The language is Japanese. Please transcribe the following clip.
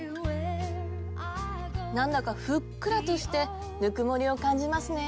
何だか「ふっくら」としてぬくもりを感じますね。